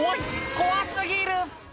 怖過ぎる！